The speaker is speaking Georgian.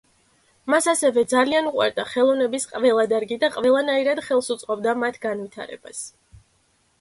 მას ასევე ძალიან უყვარდა ხელოვნების ყველა დარგი და ყველანაირად ხელს უწყობდა მათ განვითარებას.